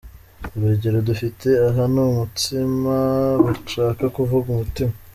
Urugero dufite aha ni ‘umutsima…’ bashaka kuvuga ‘umutima’.